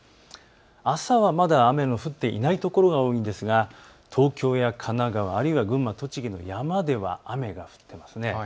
朝はまだ雨の降っていないところが多いんですが東京や神奈川、あるいは群馬、栃木の山では雨が降っているんですね。